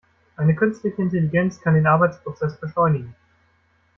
Eine künstliche Intelligenz kann den Arbeitsprozess beschleunigen.